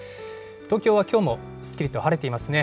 東京はきょうもすっきりと晴れていますね。